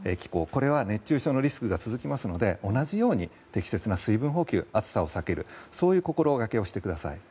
これは熱中症リスクが続きますので同じように適切な水分補給、暑さを避けるそういう心がけをしてください。